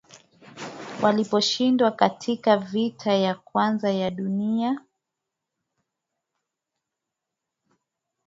waliposhindwa katika Vita ya Kwanza ya Dunia